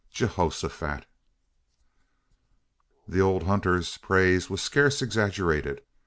Geehosofat!" The old hunter's praise was scarce exaggerated.